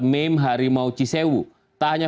meme harimau cisewu tak hanya